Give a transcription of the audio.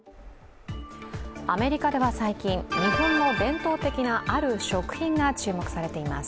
アメリカでは最近、日本の伝統的なある食品が注目されています。